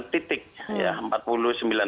empat puluh sembilan titik ya